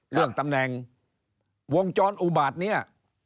เรื่องตำแหน่งวงจรอุบาตเนี่ย